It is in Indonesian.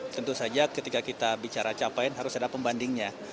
tentu saja ketika kita bicara capaian harus ada pembandingnya